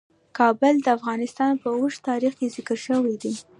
کابل د افغانستان په اوږده تاریخ کې ذکر شوی دی.